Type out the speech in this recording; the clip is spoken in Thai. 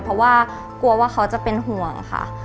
เพราะว่ากลัวว่าเขาจะเป็นห่วงค่ะ